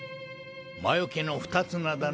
魔よけの二つ名だな。